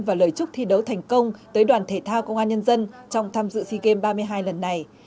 và lời chúc thi đấu thành công tới đoàn thể thao công an nhân dân trong tham dự sea games ba mươi hai lần này